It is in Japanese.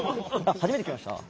初めて聞きました？